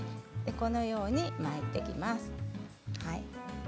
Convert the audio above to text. このように巻いていきます。